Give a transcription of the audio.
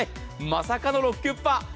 まさかのロクキュッパ。